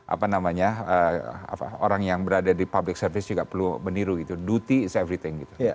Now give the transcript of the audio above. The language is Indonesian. apa namanya orang yang berada di public service juga perlu meniru gitu duty saverything gitu